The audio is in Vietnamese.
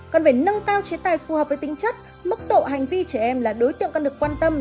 còn phải nâng cao chế tài phù hợp với tính chất mức độ hành vi trẻ em là đối tượng cần được quan tâm